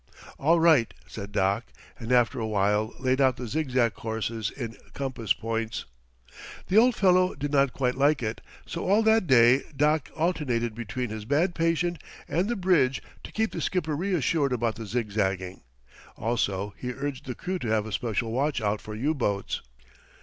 "All right," said Doc, and after a while laid out the zigzag courses in compass points. The old fellow did not quite like it, so all that day Doc alternated between his bad patient and the bridge to keep the skipper reassured about the zigzagging. Also he urged the crew to have a special watch out for U boats.